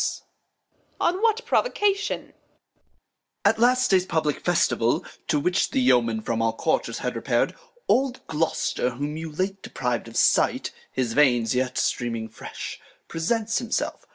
Reg. On what Provocation ? Off. At last Day's publick Festival, to which The Yeomen from all Quarters had repair'd. Old Gloster, whom you late depriv'd of Sight, (His Veins yet streaming fresh,) presents himself.